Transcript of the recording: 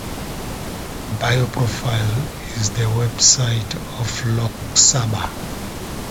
Bio Profile at the website of Lok Sabha